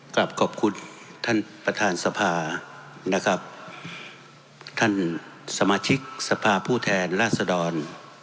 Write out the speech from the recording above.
กลับขอบคุณท่านประธานสภานะครับท่านสมาชิกสภาพผู้แทนราษดร